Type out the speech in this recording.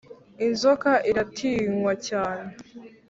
Inzoka iratinywa cyane